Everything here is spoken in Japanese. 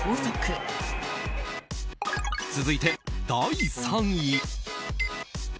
続いて、第３位。